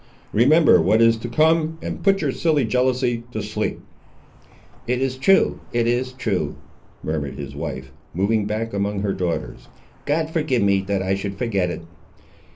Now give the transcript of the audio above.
Remember what is to come, and put your silly jealousy to sleep." "It is true, it is true," murmured his wife, moving back among her daughters; "God forgive me, that I should forget it!"